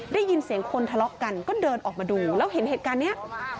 ได้ยินเสียงคนทะเลาะกันก็เดินออกมาดูแล้วเห็นเหตุการณ์นี้